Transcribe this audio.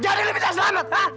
jangan lebih kita selamat hah